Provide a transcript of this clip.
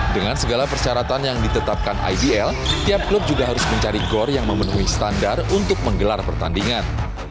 dengan segala persyaratan yang ditetapkan ibl tiap klub juga harus mencari gor yang memenuhi standar untuk menggelar pertandingan